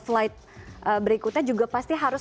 flight berikutnya juga pasti harus